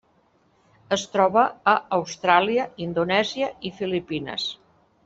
Es troba a Austràlia, Indonèsia i Filipines.